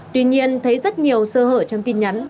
tuy nhiên thấy rất nhiều sơ hở trong tin nhắn